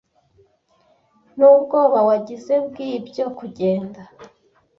nubwoba wagize bwibyo Kugenda